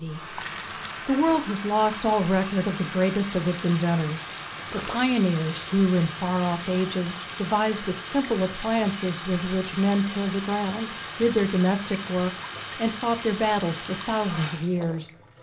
C. 480 The world has lost all record of the greatest of its inventors the pioneers who in far off ages devised the simple appliances with which men tilled the ground, did their domestic work, and fought their battles for thousands of years.